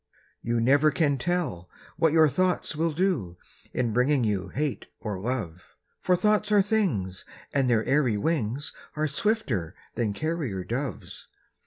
You never can tell what your thoughts will do, In bringing you hate or love; For thoughts are things, and their airy wings Are swifter than carrier doves.